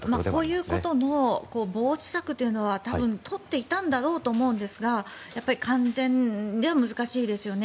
こういうことも防止策というのは多分取っていたと思いますが完全には難しいですよね。